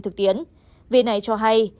thực tiến vì này cho hay